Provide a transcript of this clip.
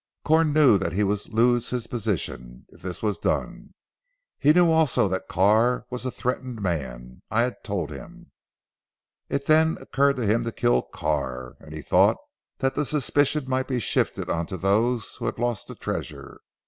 Corn knew that he would lose his position, if this was done. He knew also that Carr was a threatened man; I had told him. It then occurred to him to kill Carr, and he thought that the suspicion might be shifted on to those who had lost the treasure.